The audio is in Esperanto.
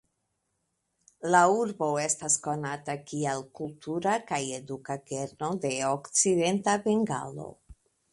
La urbo estas konata kiel kultura kaj eduka kerno de Okcidenta Bengalo.